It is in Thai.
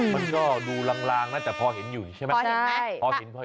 มันก็ดูลางนะแต่พอเห็นอยู่ใช่ไหม